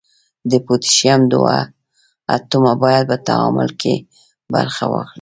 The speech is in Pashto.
د پوتاشیم دوه اتومه باید په تعامل کې برخه واخلي.